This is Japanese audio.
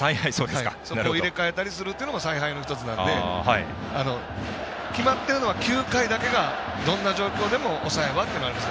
そこを入れ替えたりするというのも采配の１つなので決まってるのは９回だけがどんな状況でも抑え悪くなります。